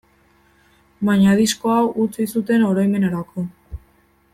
Baina disko hau utzi zuten oroimenerako.